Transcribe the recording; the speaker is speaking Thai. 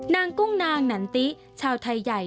กุ้งนางหนันติชาวไทยใหญ่